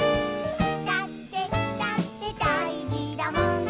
「だってだってだいじだもん」